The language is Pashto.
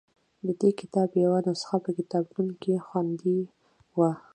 د دې کتاب یوه نسخه په کتابتون کې خوندي وه.